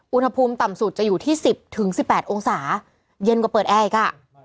อุณหภูมิต่ำสุดจะอยู่ที่สิบถึงสิบแปดองศาเย็นกว่าเปิดแอ้งอีกอ่ะ